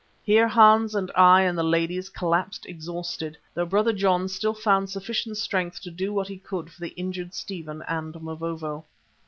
Here, Hans, I and the ladies collapsed exhausted, though Brother John still found sufficient strength to do what he could for the injured Stephen and Mavovo.